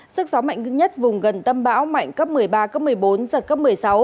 sức gió mạnh nhất vùng gần tâm bão mạnh cấp một mươi ba cấp một mươi bốn giật cấp một mươi sáu